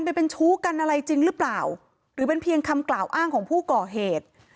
ไปเป็นชู้กันอะไรจริงหรือเปล่าหรือเป็นเพียงคำกล่าวอ้างของผู้ก่อเหตุ